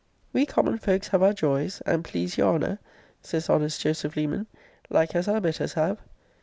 'We common folks have our joys, and please your honour, says honest Joseph Leman, like as our betters have.'